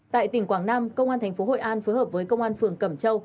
tại tỉnh quảng nam công an thành phố hội an phối hợp với công an phường cẩm châu